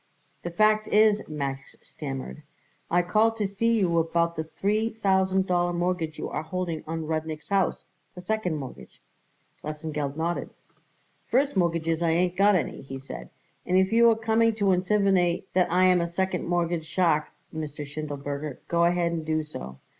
"The fact is," Max stammered, "I called to see you about the three thousand dollar mortgage you are holding on Rudnik's house the second mortgage." Lesengeld nodded. "First mortgages I ain't got any," he said, "and if you are coming to insinivate that I am a second mortgage shark, Mr. Schindelberger, go ahead and do so.